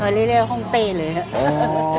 เขาเรียกห้องเต้เลย